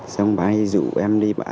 xong bà ấy dụ em đi